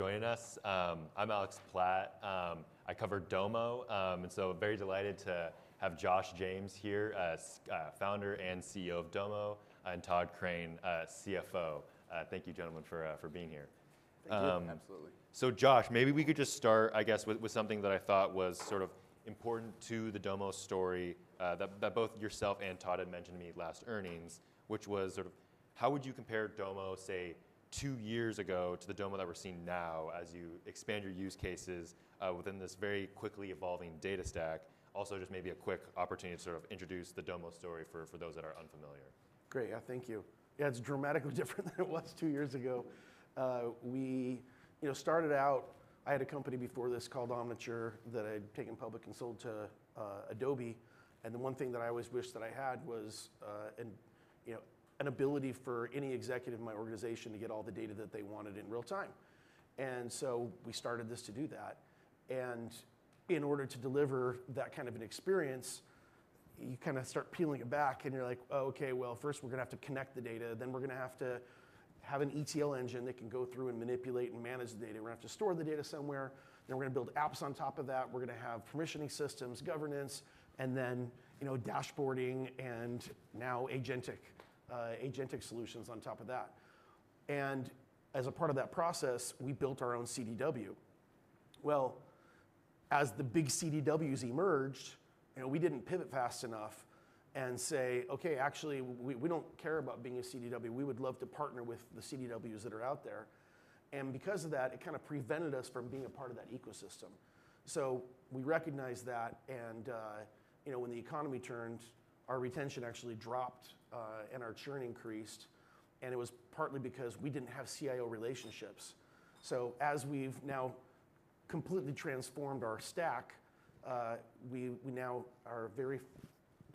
Joining us, I'm Alex Platt, I cover Domo, and so very delighted to have Josh James here, founder and CEO of Domo, and Todd Crane, CFO. Thank you, gentlemen, for being here. Thank you. Absolutely. Josh, maybe we could just start, I guess, with something that I thought was sort of important to the Domo story that both yourself and Todd had mentioned to me last earnings, which was sort of, how would you compare Domo, say two years ago to the Domo that we're seeing now as you expand your use cases within this very quickly evolving data stack? Also just maybe a quick opportunity to sort of introduce the Domo story for those that are unfamiliar. Great. Yeah, thank you. Yeah, it's dramatically different than it was two years ago. We started out. I had a company before this called Omniture that I had taken public and sold to Adobe. The one thing that I always wish that I had was an ability for any executive in my organization to get all the data that they wanted in real time. We started this to do that. In order to deliver that kind of an experience, you kind of start peeling it back and you're like, okay, first we're going to have to connect the data. Then we're going to have to have an ETL engine that can go through and manipulate and manage the data. We're going to have to store the data somewhere, then we're going to build apps on top of that, we're going to have permissioning systems, governance, and then dashboarding, and now agentic solutions on top of that. As a part of that process, we built our own CDW. As the big CDWs emerged, we didn't pivot fast enough and say, okay, actually we don't care about being a CDW. We would love to partner with the CDWs that are out there. Because of that, it kind of prevented us from being a part of that ecosystem. We recognized that. When the economy turned, our retention actually dropped and our churn increased. It was partly because we didn't have CIO relationships. As we've now completely transformed our stack, we now are very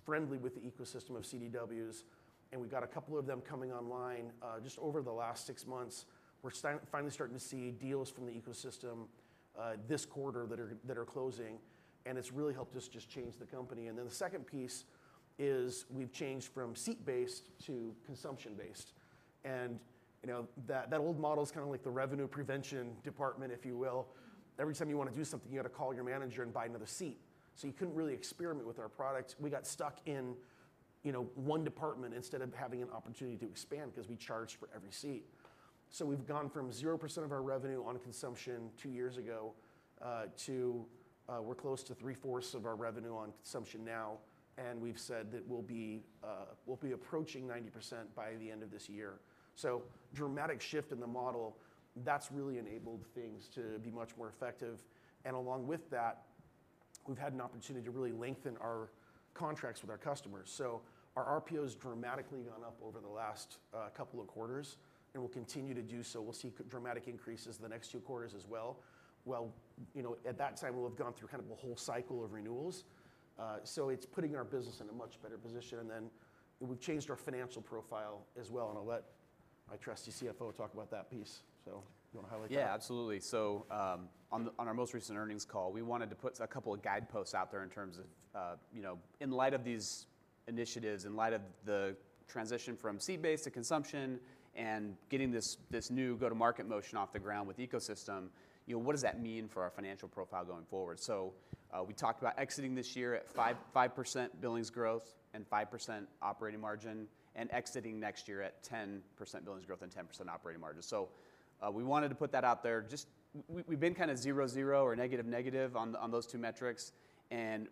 friendly with the ecosystem of CDWs and we've got a couple of them coming online just over the last six months. We're finally starting to see deals from the ecosystem this quarter that are closing and it's really helped us just change the company. The second piece is we've changed from seat based to consumption based. That old model is kind of like the revenue prevention department, if you will. Every time you want to do something, you got to call your manager and buy another seat. You couldn't really experiment with our product. We got stuck in, you know, one department instead of having an opportunity to expand because we charged for every seat. We've gone from 0% of our revenue on consumption two years ago to we're close to 3/4 of our revenue on consumption now. We've said that we'll be approaching 90% by the end of this year. Dramatic shift in the model that's really enabled things to be much more effective. Along with that we've had an opportunity to really lengthen our contracts with our customers. Our RPO has dramatically gone up over the last couple of quarters and will continue to do so. We'll see dramatic increases the next two quarters as well. At that time we'll have gone through kind of a whole cycle of renewals. It's putting our business in a much better position. We've changed our financial profile as well. I'll let my trusty CFO talk about that piece. Yeah, absolutely. On our most recent earnings call we wanted to put a couple of guideposts out there in terms of, you know, in light of these initiatives, in light of the transition from seat based to consumption and getting this new go to market motion off the ground with ecosystem, you know, what does that mean for our financial profile going forward? We talked about exiting this year at 5% billings growth and 5% operating margin and exiting next year at 10% billings growth and 10% operating margin. We wanted to put that out there. Just we've been kind of zero, zero or negative negative on those two metrics and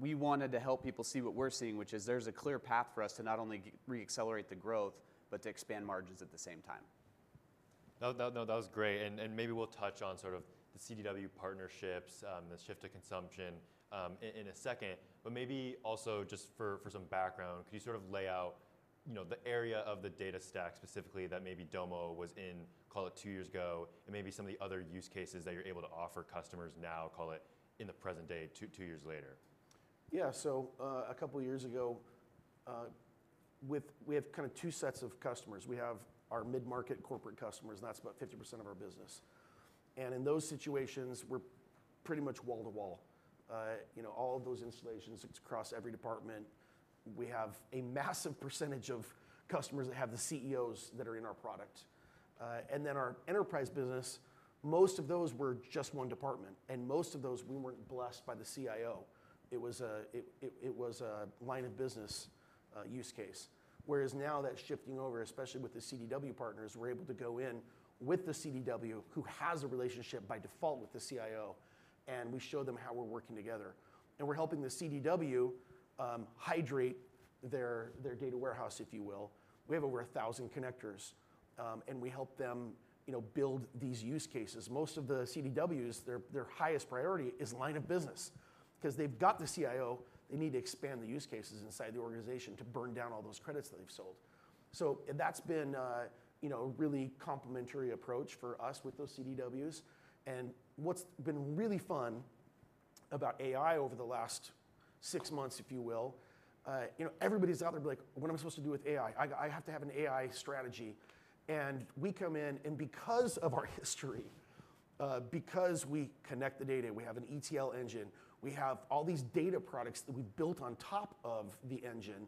we wanted to help people see what we're seeing, which is there's a clear path for us to not only reaccelerate the growth but to expand margins at the same time. That was great. Maybe we'll touch on sort of the CDW partnerships, the shift to consumption in a second. Maybe also just for some background, could you sort of lay out the area of the data stack specifically that maybe Domo was in, call it two years ago, and maybe some of the other use cases that you're able to offer customers now, call it in the present day, two years later. Yeah, so a couple years ago we have kind of two sets of customers. We have our mid market corporate customers and that's about 50% of our business. In those situations we're pretty much wall to wall all of those installations across every department. We have a massive percentage of customers that have the CEOs that are in our product and then our enterprise business. Most of those were just one department and most of those we weren't blessed by the CIO. It was a line of business use case. Whereas now that's shifting over, especially with the CDW partners. We're able to go in with the CDW who has a relationship by default with the CIO, and we show them how we're working together and we're helping the CDW hydrate their data warehouse, if you will. We have over 1,000 connectors and we help them build these use cases. Most of the CDWs, their highest priority is line of business because they've got the CIO. They need to expand the use cases inside the organization to burn down all those credits that they've sold. That's been a really complementary approach for us with those CDWs. What's been really fun about AI over the last six months, if you will, everybody's out there like, what am I supposed to do with AI? I have to have an AI strategy. We come in and because of our history, because we connect the data, we have an ETL engine. We have all these data products that we've built on top of the engine.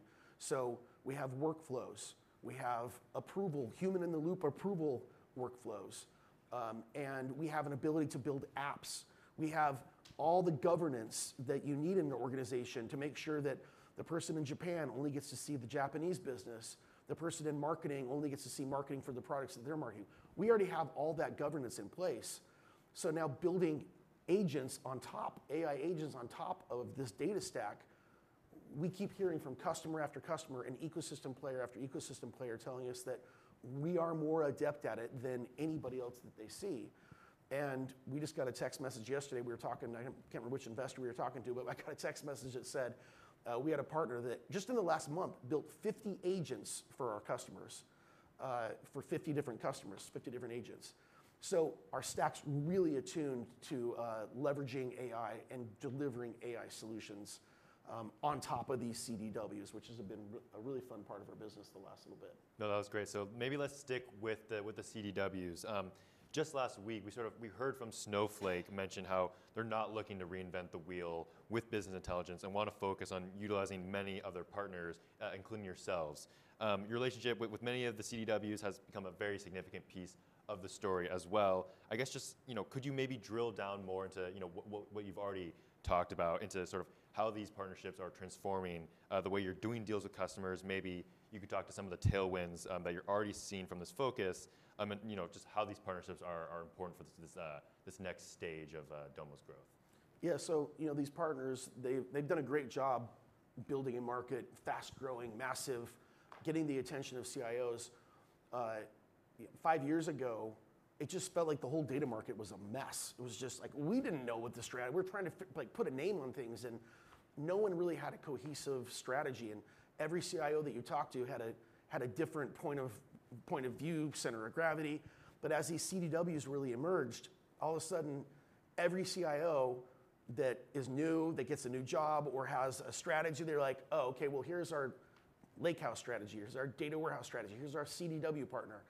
We have workflows, we have approval, human in the loop approval workflows, and we have an ability to build apps. We have all the governance that you need in an organization to make sure that the person in Japan only gets to see the Japanese business, the person in marketing only gets to see marketing for the products that they're marketing. We already have all that governance in place. Now building agents on top, AI agents on top of this data stack. We keep hearing from customer after customer and ecosystem player after ecosystem player telling us that we are more adept at it than anybody else that they see. We just got a text message yesterday. We were talking. I can't remember which investor we were talking to, but I got a text message that said we had a partner that just in the last month built 50 agents for our customers. For 50 different customers. 50 different agents. Our stack's really attuned to leveraging AI and delivering AI solutions on top of these CDWs, which has been a really fun part of our business. That's the last little bit. No, that was great. Maybe let's stick with the CDWs. Just last week we sort of, we heard from Snowflake mention how they're not looking to reinvent the wheel with business intelligence and want to focus on utilizing many of their partners, including yourselves. Your relationship with many of the CDWs has become a very significant piece of the story as well. I guess, just, you know, could you maybe drill down more into, you know, what you've already talked about, into sort of how these partnerships are transforming the way you're doing deals with customers? Maybe you could talk to some of the tailwinds that you're already seeing from this focus. You know, just how these partnerships are important for this next stage of Domo's growth. Yeah. So, you know, these partners, they've done a great job building a market, fast growing, massive, getting the attention of CIOs. Five years ago, it just felt like the whole data market was a mess. It was just like we didn't know what the strategy was. We were trying to, like, put a name on things, and no one really had a cohesive strategy. Every CIO that you talked to had a different point of view, center of gravity. As these CDWs really emerged, all of a sudden every CIO that is new, that gets a new job or has a strategy, they're like, oh, okay, well, here's our lakehouse strategy, here's our data warehouse strategy, here's our CDW partner.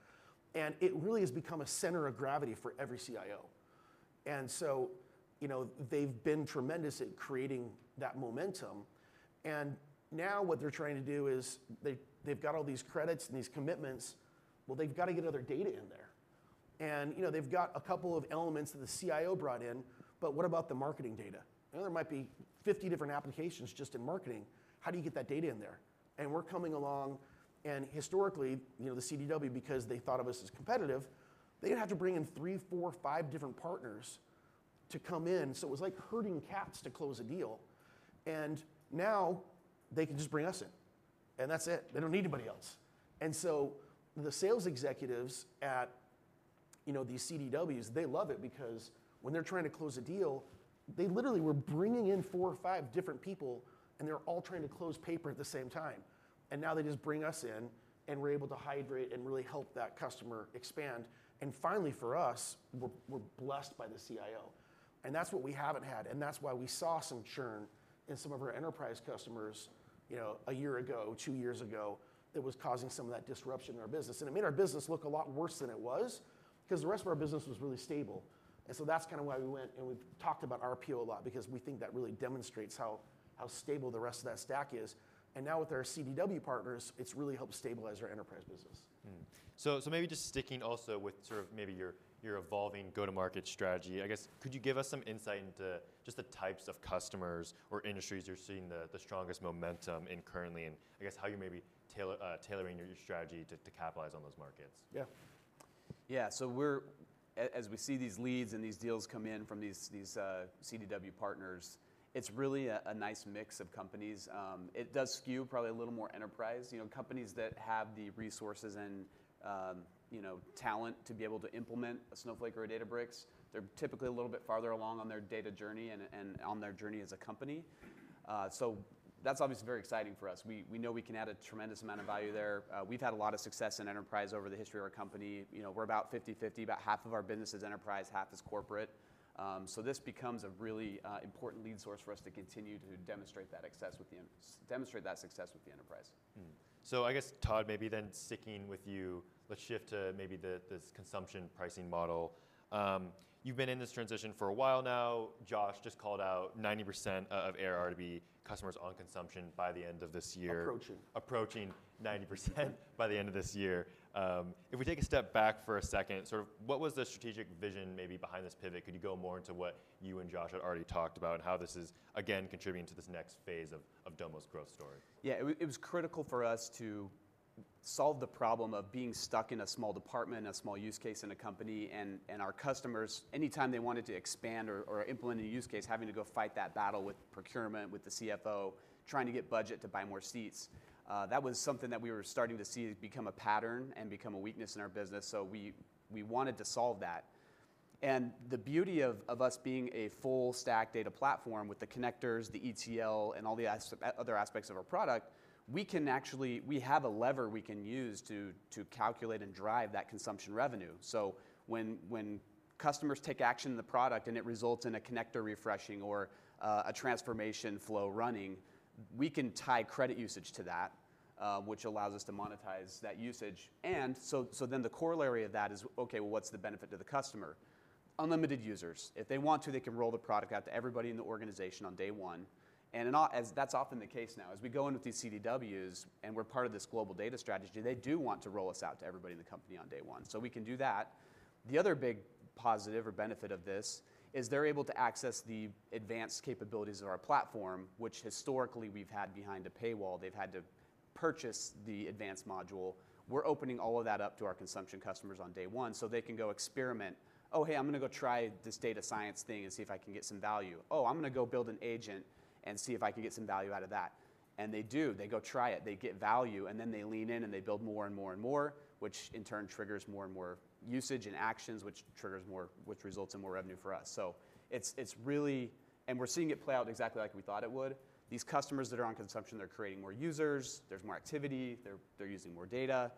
It really has become a center of gravity for every CIO. They've been tremendous at creating that momentum. Now what they're trying to do is they've got all these credits and these commitments. They've got to get other data in there, and they've got a couple of elements that the CIO brought in. What about the marketing data? There might be 50 different applications just in marketing. How do you get that data in there? We're coming along. Historically, the CDW, because they thought of us as competitive, they had to bring in three, four, five different partners to come in. It was like herding cats to close a deal. Now they can just bring us in and that's it. They do not need anybody else. The sales executives at, you know, these CDWs, they love it because when they're trying to close a deal, they literally were bringing in four or five different people, and they're all trying to close paper at the same time. Now they just bring us in, and we're able to hydrate and really help that customer expand. Finally, for us, we're blessed by the CIO, and that's what we haven't had. That's why we saw some churn in some of our enterprise customers a year ago, two years ago, that was causing some of that disruption in our business. It made our business look a lot worse than it was because the rest of our business was really stable. That is kind of why we went and we talked about RPO a lot because we think that really demonstrates how stable the rest of that stack is. Now with our CDW partners, it has really helped stabilize our enterprise business. Maybe just sticking also with sort of maybe your evolving go to market strategy, I guess, could you give us some insight into just the types of customers or industries you're seeing the strongest momentum in currently and I guess how you may be tailoring your strategy to capitalize on those markets? Yeah, yeah. As we see these leads and these deals come in from these CDW partners, it's really a nice mix of companies. It does skew probably a little more enterprise. You know, companies that have the resources and, you know, talent to be able to implement a Snowflake or a Databricks, they're typically a little bit farther along on their data journey and on their journey as a company. That's obviously very exciting for us. We know we can add a tremendous amount of value there. We've had a lot of success in enterprise over the history of our company. You know, we're about 50-50. About half of our business is enterprise, half is corporate. Corporate. This becomes a really important lead source for us to continue to demonstrate that success with the enterprise. I guess Todd, maybe then sticking with you, let's shift to maybe this consumption pricing model. You've been in this transition for a while now. Josh just called out 90% of ARRDB customers on consumption by the end of this year. Approaching 90% by the end of this year. If we take a step back for a second, sort of. What was the strategic vision maybe behind this pivot? Could you go more into what you and Josh had already talked about and how this is again contributing to this next phase of Domo's growth story? Yeah, it was critical for us to solve the problem of being stuck in a small department, a small use case in a company and our customers, anytime they wanted to expand or implement a use case, having to go fight that battle with procurement, with the CFO trying to get budget to buy more seats, that was something that we were starting to see become a pattern and become a weakness in our business. We wanted to solve that. The beauty of us being a full stack data platform, with the connectors, the ETL and all the other aspects of our product, we can actually, we have a lever we can use to calculate and drive that consumption revenue. When customers take action in the product and it results in a connector refreshing or a transformation flow running, we can tie credit usage to that, which allows us to monetize that usage. The corollary of that is, okay, what's the benefit to the customer? Unlimited users. If they want to, they can roll the product out to everybody in the organization on day one. That is often the case now as we go in with these CDWs and we are part of this global data strategy. They do want to roll us out to everybody in the company on day one. We can do that. The other big positive or benefit of this is they are able to access the advanced capabilities of our platform, which historically we have had behind a paywall. They have had to purchase the advanced module. We're opening all of that up to our consumption customers on day one so they can go experiment. "Oh, hey, I'm going to go try this data science thing and see if I can get some value"."Oh, I'm going to go build an agent and see if I can get some value out of that". They do, they go try it, they get value and then they lean in and they build more and more and more, which in turn triggers more and more usage and actions, which triggers more, which results in more revenue for us. It's really, and we're seeing it play out exactly like we thought it would. These customers that are on consumption, they're creating more users, there's more activity, they're using more data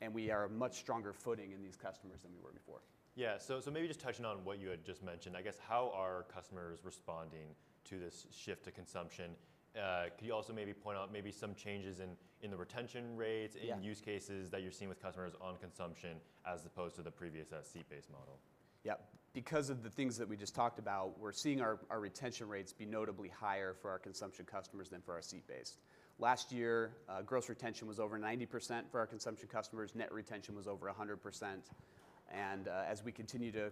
and we are a much stronger footing in these customers than we were before. Yeah. Maybe just touching on what you had just mentioned, I guess how are customers responding to this shift to consumption? Could you also maybe point out maybe some changes in the retention rates in use cases that you're seeing with customers on consumption as opposed to the previous seat based model? Yep. Because of the things that we just talked about, we're seeing our retention rates be notably higher for our consumption customers than for our seat based. Last year gross retention was over 90%. For our consumption customers, net retention was over 100%. As we continue to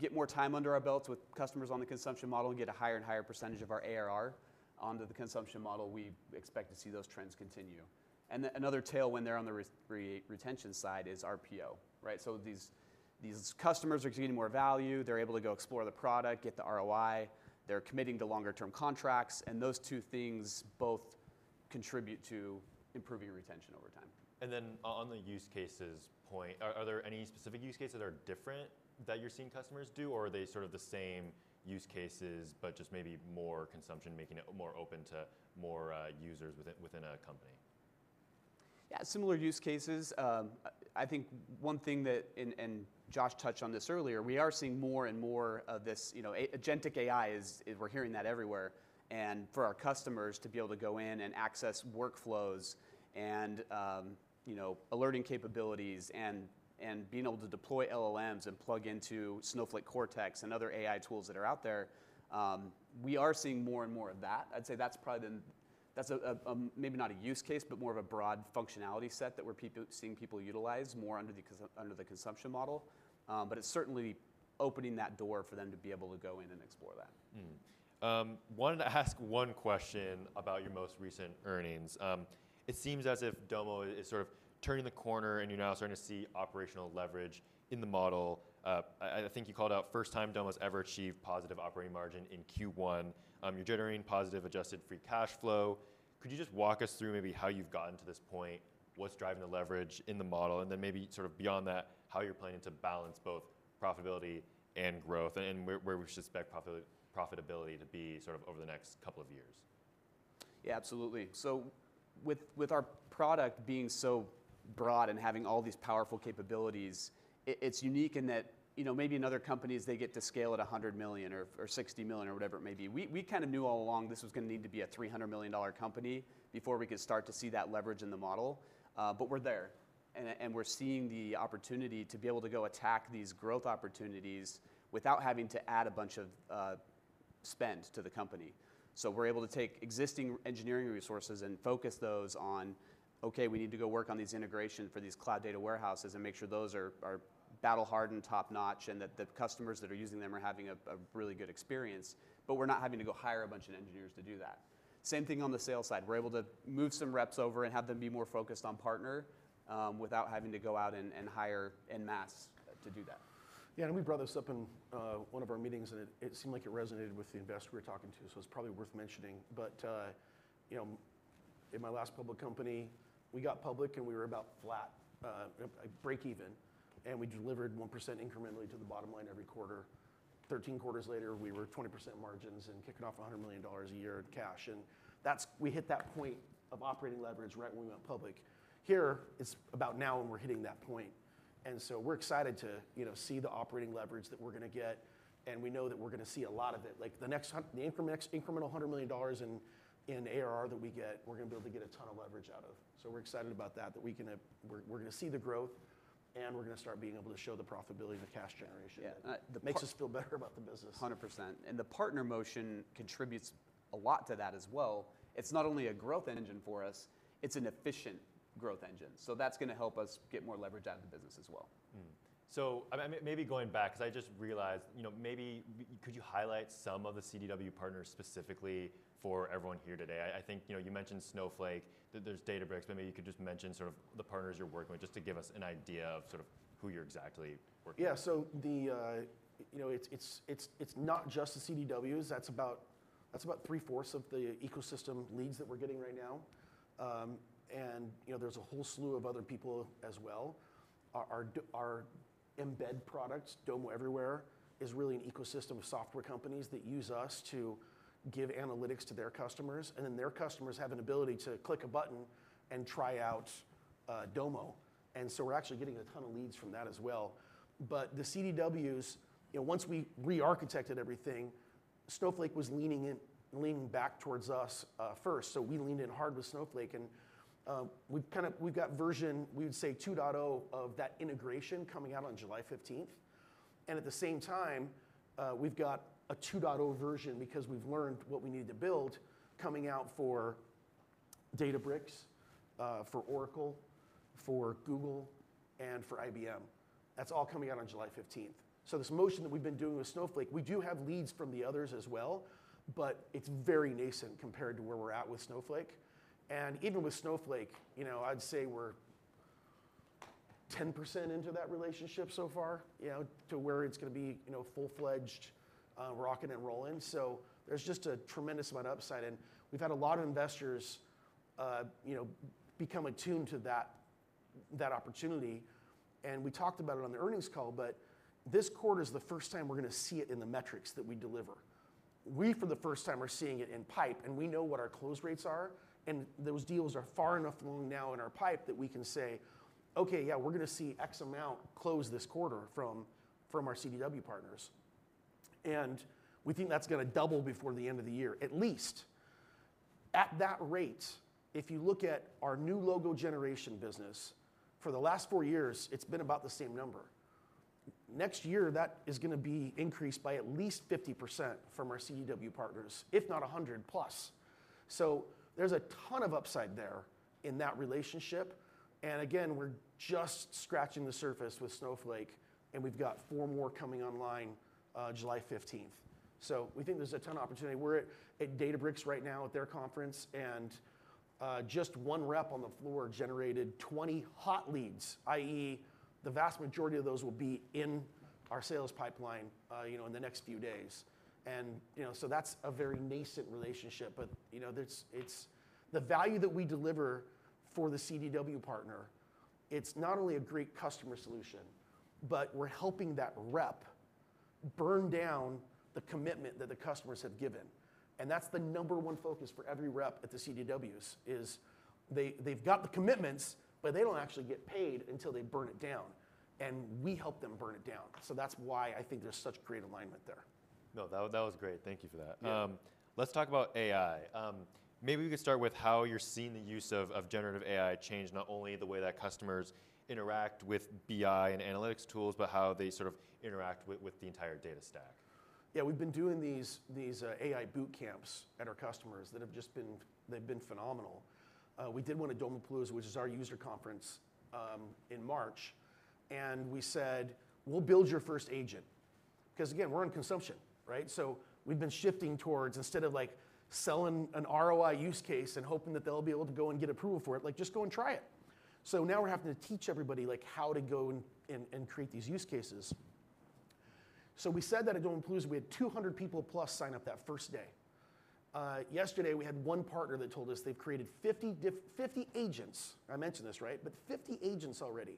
get more time under our belts with customers on the consumption model and get a higher and higher percentage of our arrangement onto the consumption model, we expect to see those trends continue. Another tailwind there on the retention side is RPO, right. These customers are getting more value. They're able to go explore the product, get the ROI, they're committing to longer term contracts, and those two things both contribute to improving retention over time. On the use cases point, are there any specific use cases that are different that you're seeing customers do, or are they sort of the same use cases but just maybe more consumption, making it more open to more users within a company? Yeah, similar use cases. I think one thing that, and Josh touched on this earlier, we are seeing more and more of this, you know, agentic AI is, we're hearing that everywhere. And for our customers to be able to go in and access workflows and, you know, alerting capabilities and being able to deploy LLMs and plug into Snowflake Cortex and other AI tools that are out there, we are seeing more and more of that. I'd say that's probably, that's maybe not a use case but more of a broad functionality set that we're seeing people utilize more under the consumption model, but it's certainly opening that door for them to be able to go in and explore that. Wanted to ask one question about your most recent earnings. It seems as if Domo is sort of turning the corner and you're now starting to see operational leverage in the model. I think you called out first time Domo's ever achieved positive operating margin in Q1. You're generating positive adjusted free cash flow. Could you just walk us through maybe how you've gotten to this point, what's driving the leverage in the model and then maybe sort of beyond that, how you're planning to balance both profitability and growth and where we should expect profitability to be sort of over the next couple of years. Yeah, absolutely. With our product being so broad and having all these powerful capabilities, it's unique in that, you know, maybe in other companies they get to scale at $100 million or $60 million or whatever it may be. We kind of knew all along this was going to need to be a $300 million company before we could start to see that leverage in the model. We're there and we're seeing the opportunity to be able to go attack these growth opportunities without having to add a bunch of spend to the company. We're able to take existing engineering resources and focus those on, okay, we need to go work on these integrations for these cloud data warehouses and make sure those are battle hardened, top notch, and that the customers that are using them are having a really good experience. We're not having to go hire a bunch of engineers to do that same thing. On the sales side, we're able to move some reps over and have them be more focused on partner without having to go out and hire en masse to do that. Yeah, and we brought this up in one of our meetings and it seemed like it resonated with the investor we were talking to. It's probably worth mentioning. You know, in my last public company, we got public and we were about flat break even and we delivered 1% incrementally to the bottom line every quarter. Thirteen quarters later we were 20% margins and kicking off $100 million a year in cash. That's when we hit that point of operating leverage right when we went public. Here, it's about now when we're hitting that point. We are excited to see the operating leverage that we're going to get. We know that we're going to see a lot of it. Like the next incremental $100 million in ARR that we get, we're going to be able to get a ton of leverage out of. We're excited about that, that we can. We're going to see the growth and we're going to start being able to show the profitability. The cash generation makes us feel. Better about the business 100%. The partner motion contributes a lot to that as well. It's not only a growth engine for us, it's an efficient growth engine. That's going to help us get more leverage out of the business as well. Maybe going back, because I just realized, maybe could you highlight some of the CDW partners specifically for everyone here today? I think you mentioned Snowflake. There is Databricks. Maybe you could just mention sort of the partners you are working with just to give us an idea of sort of who you are exactly working with. Yeah. So it's not just the CDWs. That's about three fourths of the ecosystem leads that we're getting right now. And there's a whole slew of other people as well, our embed products. Domo Everywhere is really an ecosystem of software companies that use us to give analytics to their customers and then their customers have an ability to click a button and try out Domo. And so we're actually getting a ton of leads from that as well. But the CDWs, once we rearchitected everything, Snowflake was leaning in, leaning back towards us first. So we leaned in hard with Snowflake and we've got version, we would say, 2.0 of that integration coming out on July 15th and at the same time we've got a 2.0 version because we've learned what we need to build coming out for Databricks, for Oracle, for Google and for IBM. That's all coming out on July 15th. This motion that we've been doing with Snowflake, we do have leads from the others as well, but it's very nascent compared to where we're at with Snowflake. Even with Snowflake I'd say we're 10% into that relationship so far to where it's going to be full fledged, rocking and rolling. There's just a tremendous amount of upside and we've had a lot of investors become attuned to that, that opportunity and we talked about it on the earnings call. This quarter is the first time we're going to see it in the metrics that we deliver. We for the first time are seeing it in pipe and we know what our close rates are and those deals are far enough along now in our pipe that we can say, okay, yeah, we're going to see X amount close this quarter from our CDW partners and we think that's going to double before the end of the year, at least at that rate. If you look at our new logo generation business for the last four years, it's been about the same number. Next year that is going to be increased by at least 50% from our CDW partners, if not 100+. There is a ton of upside there in that relationship. Again we're just scratching the surface with Snowflake and we've got four more coming online July 15th. We think there's a ton of opportunity. We're at Databricks right now at their conference and just one rep on the floor generated 20 hot leads. That is, the vast majority of those will be in our sales pipeline, you know, in the next few days. You know, that's a very nascent relationship, but you know, it's the value that we deliver for the CDW partner. It's not only a great customer solution, but we're helping that rep burn down the commitment that the customers have given. That's the number one focus for every rep at the CDWs is they've got the commitments, but they don't actually get paid until they burn it down, and we help them burn it down. That's why I think there's such great alignment there. No, that was great. Thank you for that. Let's talk about AI. Maybe we could start with how you're seeing the use of generative AI change not only the way that customers interact with BI and analytics tools, but how they sort of interact with the entire data stack. Yeah, we've been doing these AI boot camps at our customers that have just been, they've been phenomenal. We did one at Domopalooza, which is our user conference in March, and we said, we'll build your first agent because again, we're on consumption. Right. We've been shifting towards instead of like selling an ROI use case and hoping that they'll be able to go and get approval for it, like just go and try it. Now we're having to teach everybody how to go and create these use cases. We said that at Domopalooza we had 200 people plus sign up that first day. Yesterday we had one partner that told us they've created 50 agents. I mentioned this. Right. But 50 agents already.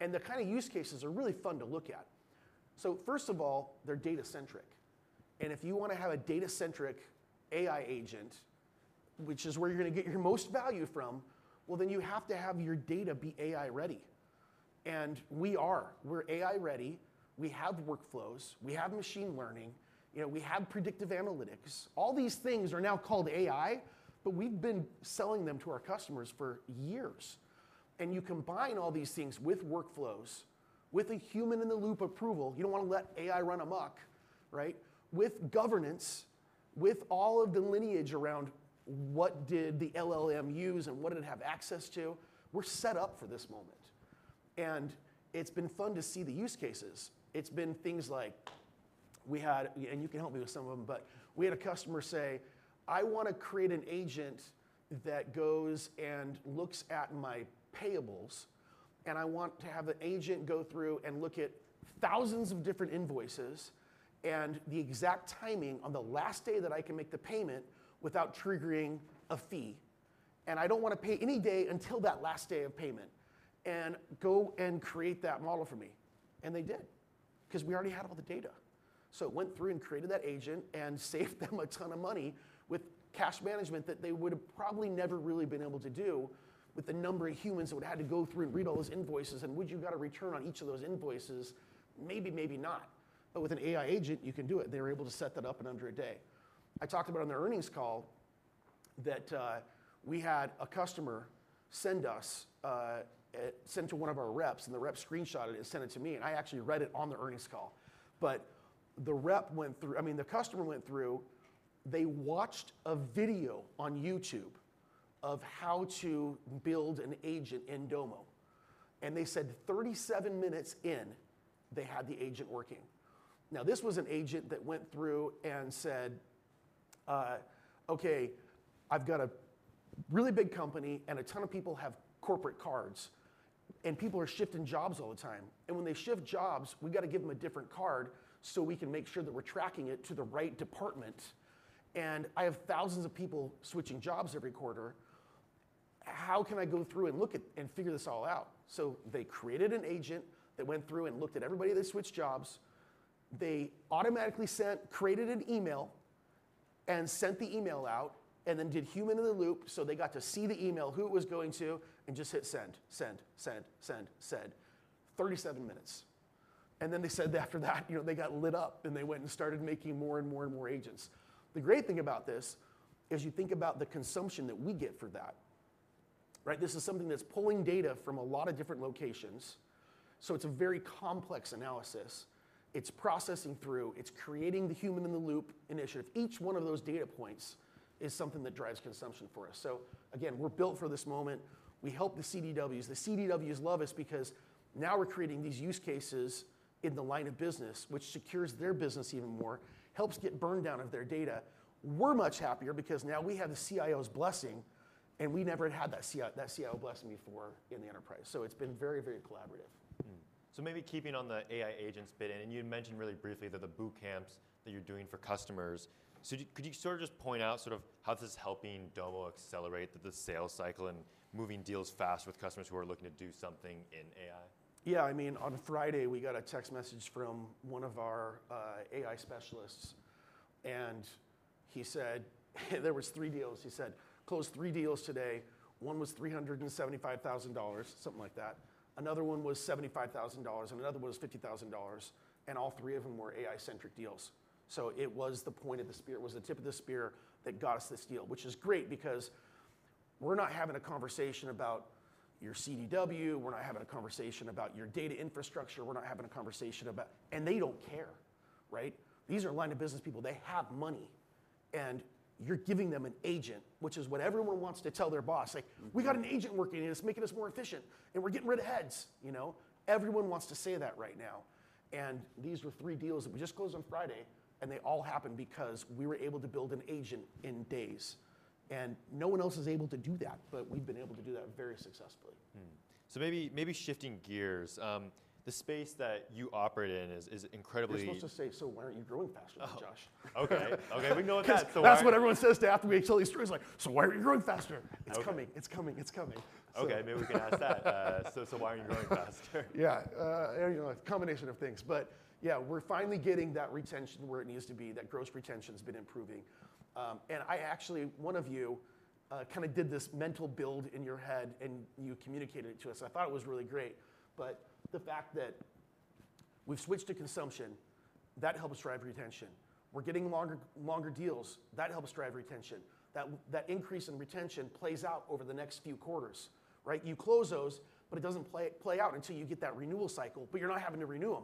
The kind of use cases are really fun to look at. First of all, they're data centric. If you want to have a data centric AI agent, which is where you're gonna get your most value from, you have to have your data be AI ready. We are, we're AI ready. We have workflows, we have machine learning, we have predictive analytics. All these things are now called AI, but we've been selling them to our customers for years. You combine all these things with workflows with a human in the loop approval, you don't wanna let AI run Amok. Right. With governance, with all of the lineage around, what did the LLM use and what did it have access to? We're set up for this moment and it's been fun to see the use cases. It's been things like we had and you can help me with some of them. We had a customer say, I want to create an agent that goes and looks at my payables and I want to have an agent go through and look at thousands of different invoices and the exact timing on the last day that I can make the payment without triggering a fee. I do not want to pay any day until that last day of payment and go and create that model for me. They did because we already had all the data. It went through and created that agent and saved them a ton of money with cash management that they would have probably never really been able to do with the number of humans that would have to go through and read all those invoices. Would you get a return on each of those invoices? Maybe, maybe not. With an AI agent, you can do it. They were able to set that up in under a day. I talked about on the earnings call that we had a customer send to one of our reps. The rep screenshot it and sent it to me and I actually read it on the earnings call. The rep went through. I mean, the customer went through. They watched a video on YouTube of how to build an agent in Domo. They said 37 minutes in they had the agent working. Now this was an agent that went through and said, okay, I have a really big company and a ton of people have corporate cards and people are shifting jobs all the time. When they shift jobs, we've got to give them a different card so we can make sure that we're tracking it to the right department. I have thousands of people switching jobs every quarter. How can I go through and look at and figure this all out? They created an agent that went through and looked at everybody that switched jobs. They automatically sent, created an email and sent the email out and then did Human in the Loop. They got to see the email, who it was going to and just hit send, send, send, send, send. 37 minutes. After that they got lit up and they went and started making more and more and more agents. The great thing about this is you think about the consumption that we get for that, right? This is something that's pulling data from a lot of different locations. It's a very complex analysis. It's processing through, it's creating the Human in the Loop initiative. Each one of those data points is something that drives consumption for us. Again, we're built for this moment. We help the CDWs. The CDWs love us because now we're creating these use cases in the line of business, which secures their business even more, helps get burned down of their data. We're much happier because now we have the CIO's blessing and we never had that CIO blessing before in the enterprise. It's been very, very collaborative. Maybe keeping on the AI agents bit in. You mentioned really briefly that the boot camps that you're doing for customers. Could you sort of just point out sort of how this is helping Domo accelerate the sales cycle and moving deals fast with customers who are looking to do something in AI? Yeah, I. mean, on Friday, we got a text message from one of our AI specialists. He said there were three deals, he said, close three deals today. One was $375,000, something like that. Another one was $75,000 and another was $50,000. All three of them were AI-centric deals. It was the point of the spear, it was the tip of the spear that got us this deal, which is great because we're not having a conversation about your CDW, we're not having a conversation about your data infrastructure. We're not having a conversation about, and they don't care. Right. These are line of business people. They have money and you're giving them an agent, which is what everyone wants to tell their boss. Like, we got an agent working and it's making us more efficient and we're getting rid of heads. You know, everyone wants to say that right now. These were three deals that we just closed on Friday. They all happened because we were able to build an agent in days and no one else is able to do that, but we have been able to do that very successfully. Maybe shifting gears, the space that you operate in is incredibly. I was supposed to say, so why aren't you growing faster than Josh? Okay, okay. We know that's what everyone says too. After we heal these three, it's like, so why are you growing faster? It's coming, it's coming, it's coming. Okay, maybe we can ask that. Why are you growing faster? Yeah, combination of things. Yeah, we're finally getting that retention where it needs to be. That gross retention. So been improving and I actually one of you kind of did this mental build in your head and you communicated it to us. I thought it was really great. The fact that we've switched to consumption, that helps drive retention. We're getting longer, longer deals. That helps drive retention. That increase in retention plays out over the next few quarters. Right? You close those, but it doesn't play out until you get that renewal cycle, but you're not having to renew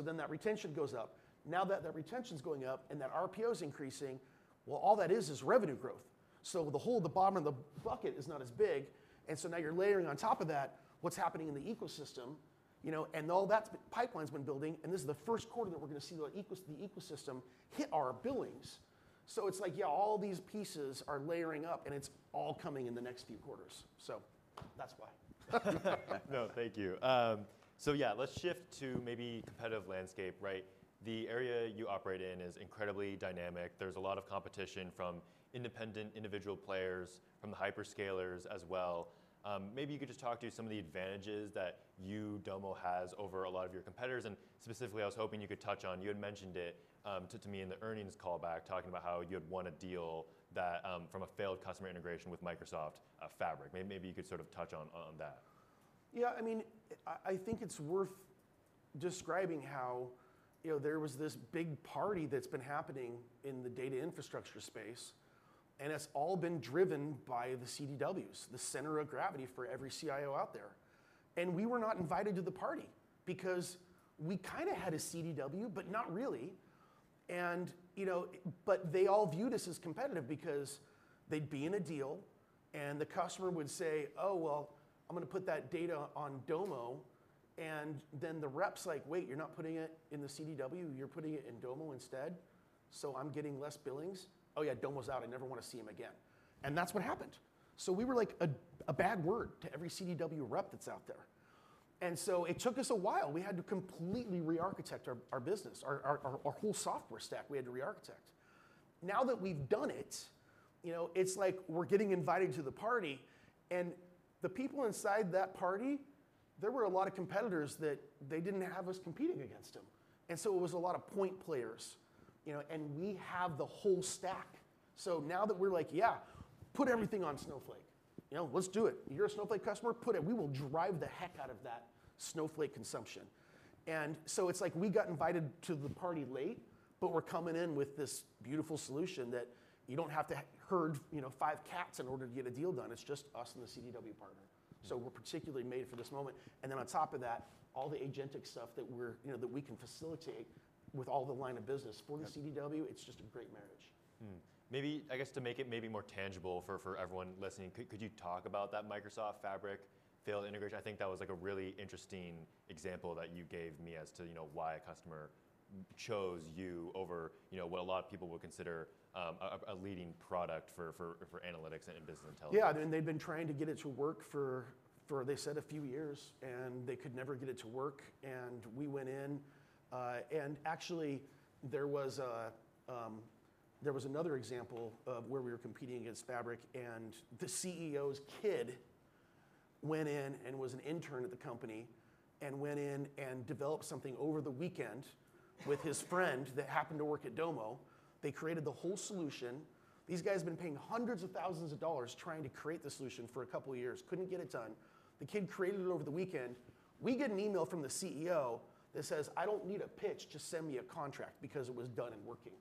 them. That retention goes up. Now that retention is going up and that RPO is increasing, all that is is revenue growth. The bottom of the bucket is not as big. You are layering on top of that what is happening in the ecosystem, you know, and all that pipeline has been building and this is the first quarter that we are going to see the ecosystem hit our billings. It is like, yeah, all these pieces are layering up and it is all coming in the next few quarters. That is why. No, thank you. So, yeah, let's shift to maybe competitive landscape. Right. The area you operate in is incredibly dynamic. There's a lot of competition from independent individual players, from the hyperscalers as well. Maybe you could just talk to some of the advantages that you Domo has over a lot of your competitors. And specifically, I was hoping you could touch on. You had mentioned it to me in the earnings callback, talking about how you had won a deal from a failed customer integration with Microsoft Fabric. Maybe you could sort of touch on that. Yeah, I mean, I think it's worth describing how, you know, there was this big party that's been happening in the data infrastructure space, and it's all been driven by the CDWs, the center of gravity for every CIO out there. We were not invited to the party because we kind of had a CDW, but not really. You know, but they all viewed us as competitive because they'd be in a deal and the customer would say, oh, well, I'm gonna put that data on Domo. The rep's like, wait, you're not putting it in the CDW, you're putting it in Domo instead. So I'm getting less billings. Oh, yeah, Domo's out. I never want to see him again. That's what happened. We were like a bad word to every CDW rep that's out there. It took us a while. We had to completely re-architect our business. Our whole software stack, we had to re-architect. Now that we've done it, it's like we're getting invited to the party. The people inside that party, there were a lot of competitors that they didn't have us competing against them. It was a lot of point players, and we have the whole stack. Now that we're like, yeah, put everything on Snowflake. Let's do it. You're a Snowflake customer. Put it. We will drive the heck out of that Snowflake consumption. It's like we got invited to the party late, but we're coming in with this beautiful solution that you don't have to herd, you know, five cats in order to get a deal done. It's just us and the CDW partner, so we're particularly made for this moment. And then on top of that, all the agentic stuff that we're, you know, that we can facilitate with all the line of business for the CDW, it's just a great marriage Maybe, I guess to make it maybe more tangible for everyone listening. Could you talk about that Microsoft Fabric failed integration? I think that was like a really interesting example that you gave me as to why a customer chose you over what a lot of people would consider a leading product for analytics and business intelligence. Yeah, they'd been trying to get it to work for, they said, a few years and they could never get it to work. We went in and actually there was another example where we were competing against Fabric. The CEO's kid went in and was an intern at the company and went in and developed something over the weekend with his friend that happened to work at Domo. They created the whole solution. These guys had been paying hundreds of thousands of dollars trying to create the solution for a couple years. Couldn't get it done. The kid created it. Over the weekend we get an email from the CEO that says, I don't need a pitch, just send me a contract because it was done and working.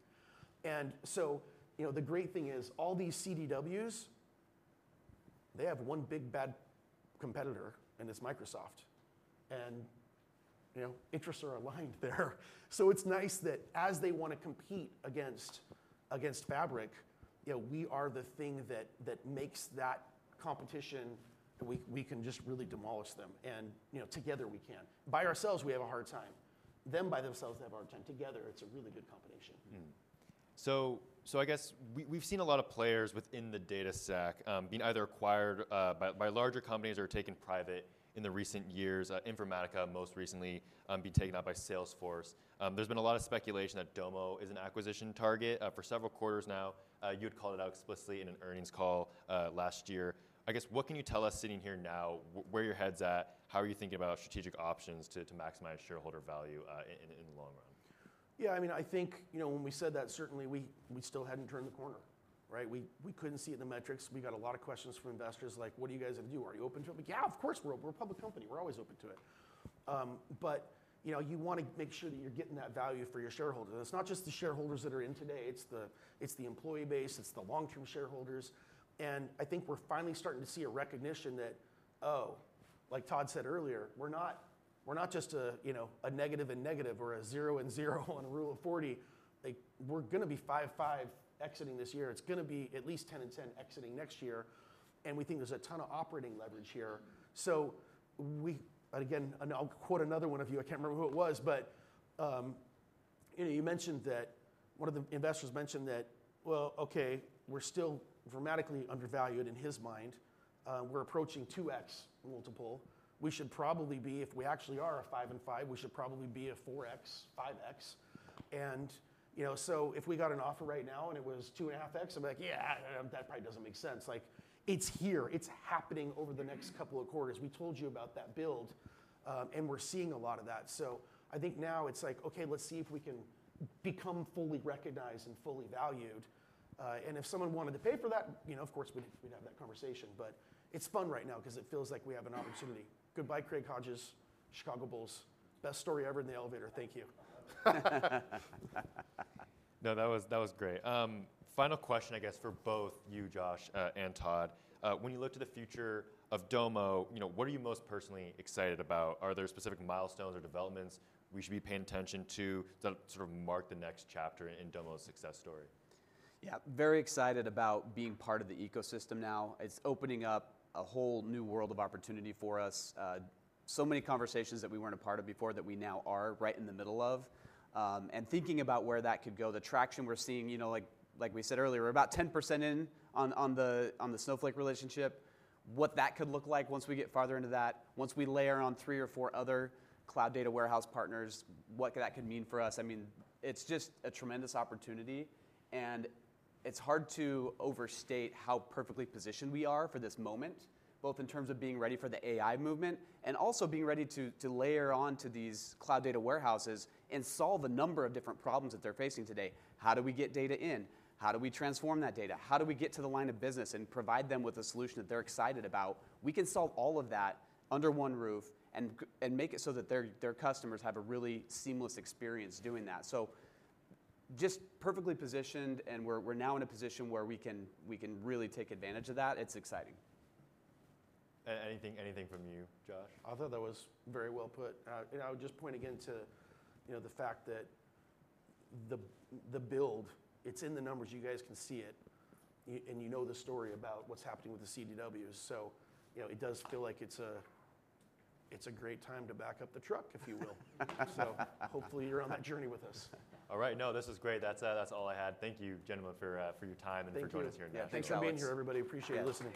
The great thing is all these CDWs, they have one big bad competitor and it's Microsoft and interests are aligned there. It's nice that as they want to compete against Fabric, we are the thing that makes that competition. We can just really demolish them and together we can. By ourselves, we have a hard time. Them by themselves have a hard time. Together, it's a really good combination. I guess we've seen a lot of players within the data stack being either acquired by larger companies or taken private in recent years. Informatica most recently been taken out by Salesforce. There's been a lot of speculation that Domo is an acquisition target for several quarters now. You had called it out explicitly in an earnings call last year. I guess. What can you tell us sitting here now, where your head's at? How are you thinking about strategic options to maximize shareholder value in the long run? Yeah, I mean, I think when we said that certainly we still hadn't turned the corner. Right. We couldn't see it in the metrics. We got a lot of questions from investors like what are you guys going to do? Are you open to it? Yeah, of course. We're a public company, we're always open to it. You want to make sure that you're getting that value for your shareholders. It's not just the shareholders that are in today, it's the employee base, it's the long term shareholders. I think we're finally starting to see a recognition that, oh, like Todd said earlier, we're not just a negative and negative or a zero and zero on rule of 40. We're gonna be five, five exiting this year. It's gonna be at least 10 and 10 exiting next year. We think there's a ton of operating leverage here. We, again, I'll quote another one of you. I can't remember who it was, but you mentioned that one of the investors mentioned that. Okay, we're still dramatically undervalued in his mind. We're approaching 2x multiple. We should probably be, if we actually are a five, five, we should probably be a 4x-5x. If we got an offer right now and it was 2.5x, I'm like, yeah, that probably doesn't make sense. It's here. It's happening over the next couple of quarters. We told you about that build, and we're seeing a lot of that. I think now it's like, okay, let's see if we can become fully recognized and fully valued. If someone wanted to pay for that, of course we'd have that conversation. It's fun right now because it feels like we have an opportunity. Goodbye. Craig Hodges, Chicago Bulls. Best story ever in the elevator. Thank you. No, that was great. Final question, I guess, for both you, Josh and Todd. When you look to the future of, of Domo, what are you most personally excited about? Are there specific milestones or developments we should be paying attention to that sort of mark the next chapter in Domo's success story? Yeah. Very excited about being part of the ecosystem now. It's opening up a whole new world of opportunity for us. So many conversations that we weren't a part of before that we now are right in the middle of and thinking about where that could go. The traction we're seeing. Like we said earlier, we're about 10% in on the Snowflake relationship, what that could look like once we get farther into that. Once we layer on three or four other cloud data warehouse partners, what that could mean for us. I mean, it's just a tremendous opportunity, and it's hard to overstate how perfectly positioned we are for this moment, both in terms of being ready for the AI movement and also being ready to layer onto these cloud data warehouses and solve a number of different problems that they're facing today. How do we get data in? How do we transform that data? How do we get to the line of business and provide them with a solution that they're excited about? We can solve all of that under one roof and make it so that their customers have a really seamless experience doing that. Just perfectly positioned, and we're now in a position where we can really take advantage of that. It's exciting. Anything from you, Josh? I thought that was very well put. I would just point again to, you know, the fact that the build, it's in the numbers. You guys can see it, and, you know, the story about what's happening with the CDW. You know, it does feel like it's a. It's a great time to back up the truck, if you will. Hopefully, you're on that journey with us. All right. No, this is great. That's all I had. Thank you, gentlemen, for your time. For joining us here. Thanks for being here, everybody. Appreciate you listening.